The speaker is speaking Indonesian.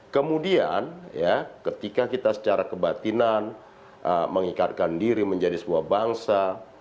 kemudian ketika kita secara kebatinan mengikatkan diri menjadi sebuah bangsa